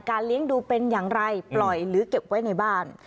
เลี้ยงดูเป็นอย่างไรปล่อยหรือเก็บไว้ในบ้าน